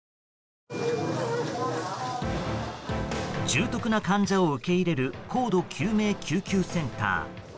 重篤な患者を受け入れる高度救命救急センター。